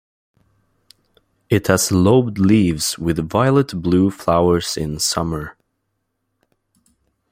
It has lobed leaves with violet-blue flowers in summer.